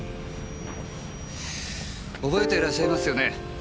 覚えてらっしゃいますよね？